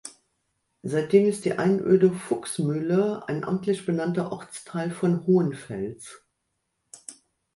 Seitdem ist die Einöde Fuchsmühle ein amtlich benannter Ortsteil von Hohenfels.